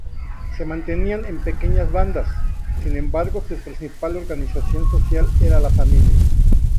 Se mantenían en pequeñas bandas, sin embargo su principal organización social era la familia.